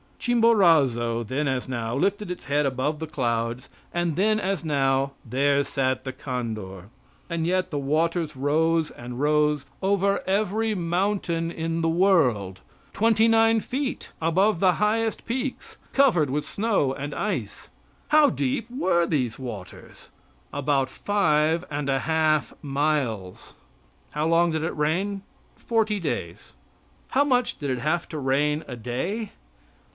Chimborazo, then as now, lifted its head above the clouds, and then as now, there sat the condor. And yet the waters rose and rose over every mountain in the world twenty nine feet above the highest peaks, covered with snow and ice. How deep were these waters? About five and a half miles. How long did it rain? Forty days. How much did it have to rain a day?